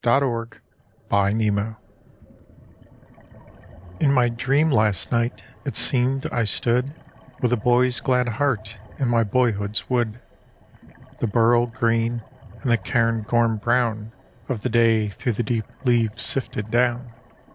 UNFULFILLED In my dream last night it seemed I stood With a boy's glad heart in my boyhood's wood. The beryl green and the cairngorm brown Of the day through the deep leaves sifted down.